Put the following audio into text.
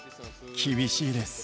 厳しいです。